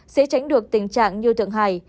sẽ tránh được tình trạng như thượng hải